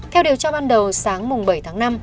theo điều tra ban đầu sáng bảy tháng năm